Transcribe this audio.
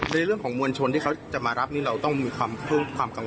ในเรื่องของมวลชนที่เขาจะมารับนี่เราต้องมีความเพิ่มความกั